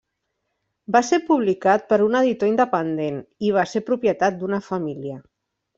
Va ser publicat per un editor independent i va ser propietat d'una família.